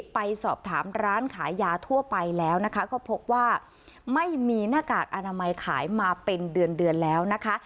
ไปสอบถามร้านขายยาทั่วไปแล้วนะคะก็พบว่าไม่มีหน้ากากอนามัยขายมาเป็นเดือนเดือนแล้วนะคะ